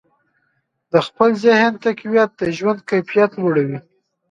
د خپل ذهن تقویت د ژوند کیفیت لوړوي.